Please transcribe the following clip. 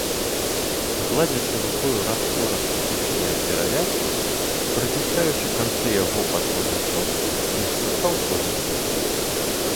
Гладзячы рукою раз-пораз скручанае перавясла, прыціскаючы канцы яго пад латачок, не спускаў позірку.